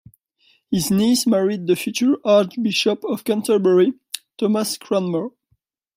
His niece married the future Archbishop of Canterbury, Thomas Cranmer.